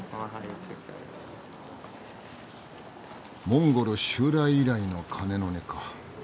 モンゴル襲来以来の鐘の音か。